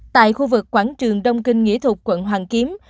tại khu vực quán trường đông kinh nghĩa thục quận hoàng kiếm